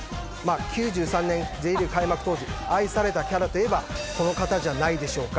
９３年、Ｊリーグ開幕当時、愛されたキャラといえばこの方じゃないでしょうか。